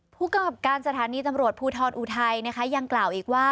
ผู้กำกับการสถานีตำรวจภูทรอุทัยนะคะยังกล่าวอีกว่า